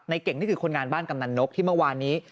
เก่งนี่คือคนงานบ้านกำนันนกที่เมื่อวานนี้